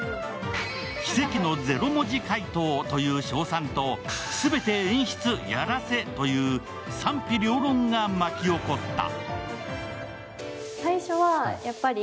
奇跡のゼロ文字解答という称賛と全て演出、ヤラセという賛否両論が巻き起こった。